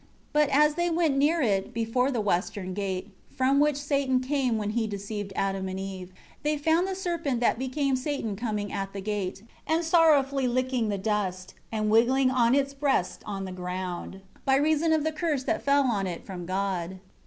2 But as they went near it, before the western gate, from which Satan came when he deceived Adam and Eve, they found the serpent that became Satan coming at the gate, and sorrowfully licking the dust, and wiggling on its breast on the ground, by reason of the curse that fell on it from God.